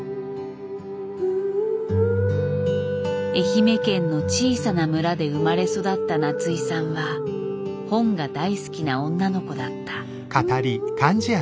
愛媛県の小さな村で生まれ育った夏井さんは本が大好きな女の子だった。